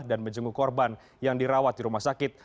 dan menjenguk korban yang dirawat di rumah sakit